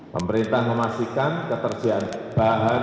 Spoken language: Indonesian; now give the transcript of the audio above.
pemerintah memastikan ketersediaan bahan